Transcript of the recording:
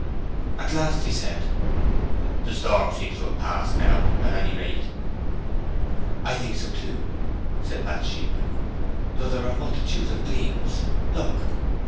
At last he said— "The storm seems to have passed now, at any rate." "I think so too," said Bathsheba. "Though there are multitudes of gleams, look!"